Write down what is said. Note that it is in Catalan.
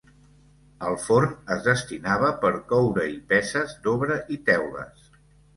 El forn es destinava per coure-hi peces d'obra i teules.